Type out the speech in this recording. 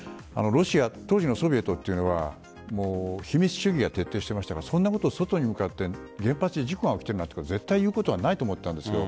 当時のソビエトというのは秘密主義が徹底していましたしそんなことを外に向かって原発で事故が起きていると言うことはないと思ったんです。